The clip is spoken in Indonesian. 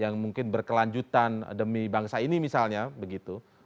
yang mungkin berkelanjutan demi bangsa ini misalnya begitu